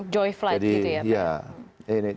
joy flight gitu ya pak